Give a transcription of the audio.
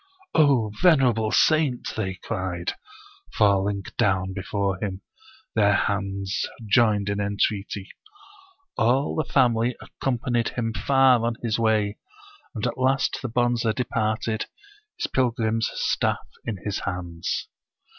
"Oh, venerable saint!" they cried, falling down before him, their hands joined in entreaty. All the family accom panied him far on his way, and at last the Bonze departed, his pilgrim's staff in his hands.